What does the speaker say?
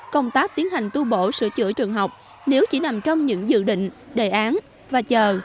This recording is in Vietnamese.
công tác tiến hành tu bổ sửa chữa trường học nếu chỉ nằm trong những dự định đề án và chờ